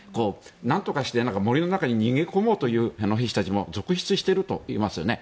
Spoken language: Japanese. なんとかして森の中に逃げ込もうという兵士たちも続出しているといいますよね。